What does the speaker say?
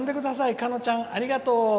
かのちゃん、ありがとう！